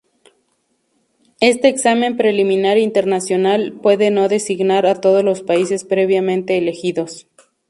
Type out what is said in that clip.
Este "Examen preliminar internacional" puede no "designar" a todos los países previamente "elegidos".